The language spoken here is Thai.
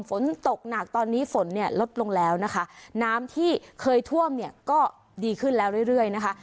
ฝนตกหนักตอนนี้ฝนเนี่ยลดลงแล้วนะคะน้ำที่เคยท่วมเนี่ยก็ดีขึ้นแล้วเรื่อยเรื่อยนะคะ